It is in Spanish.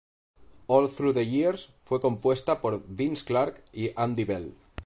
All Through The Years fue compuesta por Vince Clarke y Andy Bell.